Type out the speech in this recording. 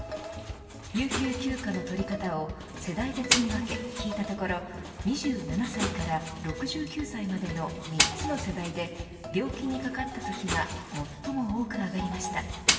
有給休暇の取り方を世代別に分け、聞いたところ２７歳から６９歳までの３つの世代で病気にかかったときが最も多くあがりました。